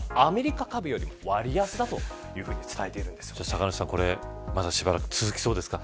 酒主さん、まだしばらく続きそうですか。